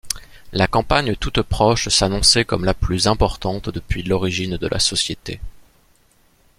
La campagne toute proche s'annonçait comme la plus importante depuis l'origine de la société.